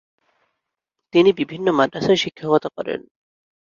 তিনি বিভিন্ন মাদ্রাসায় শিক্ষকতা করেন।